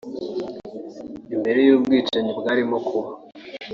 Imbere y’ubwicanyi bwarimo kuba